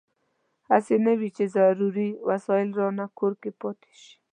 هسې نه وي چې ضروري وسایل رانه کور کې پاتې شي.